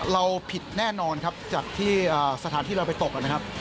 เราผิดแน่นอนครับจากที่สถานที่เราไปตกนะครับ